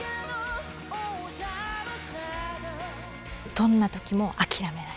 どんな時も諦めない。